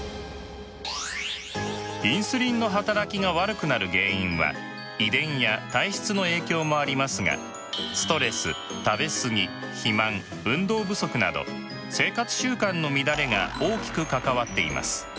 インスリンの働きが悪くなる原因は遺伝や体質の影響もありますがストレス食べ過ぎ肥満運動不足など生活習慣の乱れが大きく関わっています。